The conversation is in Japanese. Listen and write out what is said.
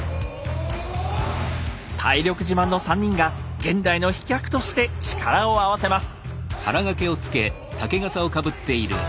体力自慢の３人が現代の飛脚として力を合わせます！